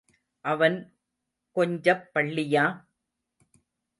அவன் கொஞ்சப் பள்ளியா?